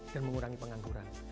dan mengurangi pengangguran